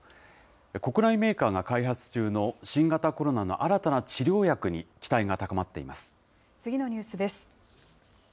国内メーカーが開発中の新型コロナの新たな治療薬に期待が高まっ次のニュースです。